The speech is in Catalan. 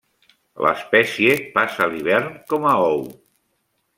L'espècie passa l'hivern com a ou.